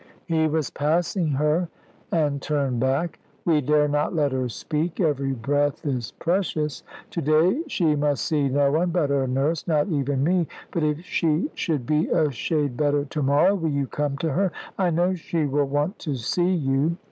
He was passing her, and turned back. "We dare not let her speak every breath is precious. To day she must see no one but her nurse not even me; but if she should be a shade better to morrow, will you come to her? I know she will want to see you."